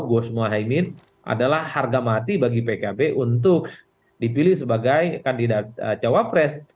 gosmo haimin adalah harga mati bagi pkb untuk dipilih sebagai kandidat capres